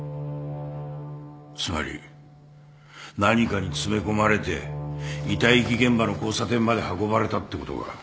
つまり何かに詰め込まれて遺体遺棄現場の交差点まで運ばれたってことか。